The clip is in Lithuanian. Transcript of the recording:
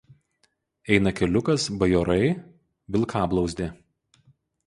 Eina keliukas Bajorai–Vilkablauzdė.